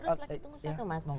terus lagi tunggu siapa mas